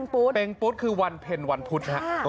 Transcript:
เป็งปุ๊ดคือวันเพ็ญวันพุธฮะ